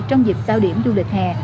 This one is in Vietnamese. trong dịp cao điểm du lịch hè